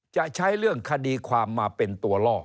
จะใช้เรื่องคดีความมาเป็นตัวล่อ